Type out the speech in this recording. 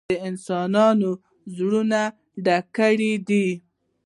حرص د انسانانو زړونه ډک کړي دي.